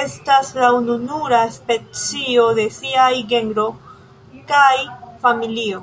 Estas la ununura specio de siaj genro kaj familio.